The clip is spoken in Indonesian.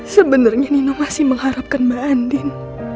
sebenarnya nino masih mengharapkan mbak andin